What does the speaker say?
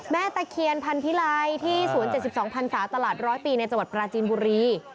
แม่ตะเคียนพันธิรัยที่๐๗๒พันธาตราตรร้อยปีในจังหวัดปราจีนบุรี